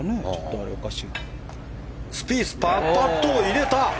スピースパーパットを入れた！